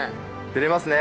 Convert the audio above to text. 出れますね。